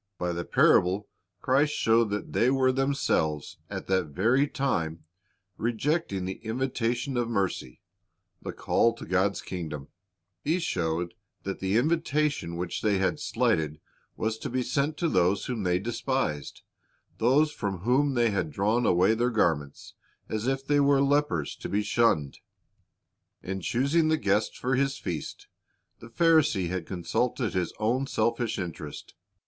By the parable Christ showed that they were themselves, at that very time, reject ing the invitation of mercy, the call to God's kingdom. Based on Luke 14 : i, 12 24 (219) 220 Clirist's Object Lessons He showed that the invitation which they had slighted was to be sent to those whom they despised, those from whom they had drawn away their garments, as if they were lepers to be shunned. In choosing the guests for his feast, the Pharisee had consulted his own selfish interest.